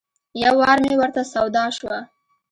یو وار مې ورته سودا شوه.